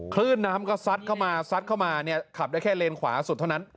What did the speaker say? คลื่นน้ำก็ซัดเข้ามาซัดเข้ามาเนี่ยขับได้แค่เลนขวาสุดเท่านั้น